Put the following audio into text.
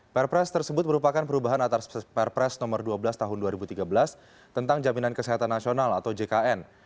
perpres tersebut merupakan perubahan atas perpres nomor dua belas tahun dua ribu tiga belas tentang jaminan kesehatan nasional atau jkn